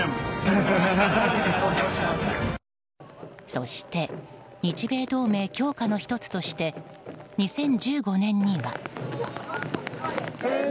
そして日米同盟強化の１つとして２０１５年には。